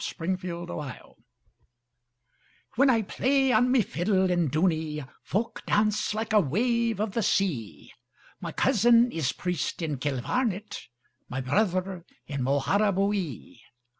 The Fiddler of Dooney WHEN I play on my fiddle in Dooney, Folk dance like a wave of the sea; My cousin is priest in Kilvarnet, My brother in Moharabuiee.